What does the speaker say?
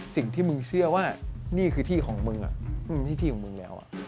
สิ่งที่มึงเชื่อว่านี่คือที่ของมึงที่ที่ของมึงแล้ว